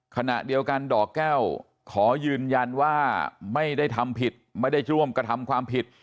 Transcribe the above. ขณะเดียวกันดอกแก้วขอยืนยันว่าไม่ได้ทำผิดไม่ได้ร่วมกระทำความผิด